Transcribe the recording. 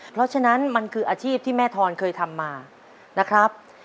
เพราะฉะนั้นมันคืออาชีพที่แม่ทอนเคยทำมานะครับ